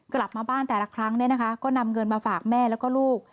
กลับมาบ้านแต่ละครั้งเนี่ยนะคะก็นำเงินมาฝากแม่แล้วก็ลูก